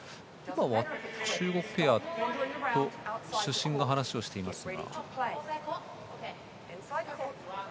中国ペアと主審が話をしていますが。